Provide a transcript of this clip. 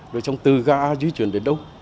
rồi xong từ ga a di chuyển đến đâu